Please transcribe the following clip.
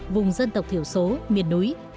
vùng dân tộc thiểu số miền núi